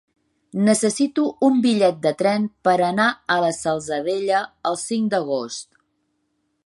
Necessito un bitllet de tren per anar a la Salzadella el cinc d'agost.